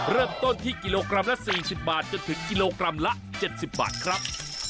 เริ่มต้นที่กิโลกรัมละ๔๐บาทจนถึงกิโลกรัมละ๗๐บาทครับ